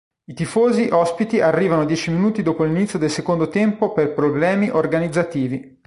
I tifosi ospiti arrivano dieci minuti dopo l'inizio del secondo tempo per problemi organizzativi.